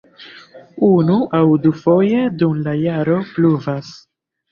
Unu- aŭ dufoje dum la jaro pluvas.